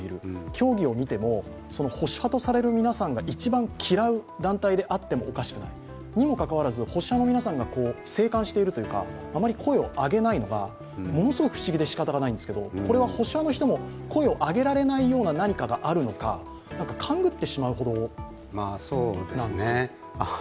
教義を見ても、保守派とされる皆さんが一番嫌う団体であってもおかしくないにも関わらず保守派の皆さんが静観している、あまり声を上げないのがものすごく不思議でしようがないんですけれども、これは保守派の人も声を上げられないような何かがあるのか、なにか勘ぐってしまうほどなんですけど。